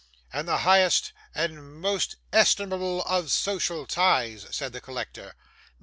'And the highest and most estimable of social ties,' said the collector.